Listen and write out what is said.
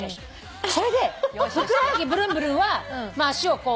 それでふくらはぎブルンブルンは足をこう。